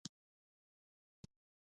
همایون د بابر زوی و.